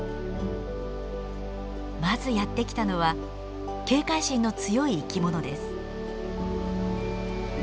まずやって来たのは警戒心の強い生き物です。